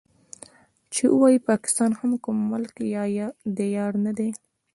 چې ووايي پاکستان هم کوم ملک يا ديار دی.